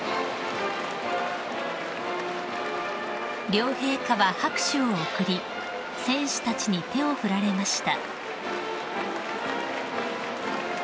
［両陛下は拍手を送り選手たちに手を振られました］